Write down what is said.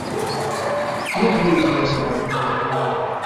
Nu, fine mi vidas la muelejon!